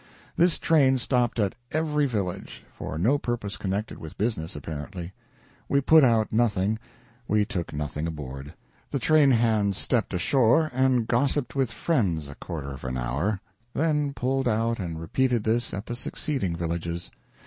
This train stopped at every village; for no purpose connected with business, apparently. We put out nothing, we took nothing aboard. The train bands stepped ashore and gossiped with friends a quarter of an hour, then pulled out and repeated this at the succeeding villages.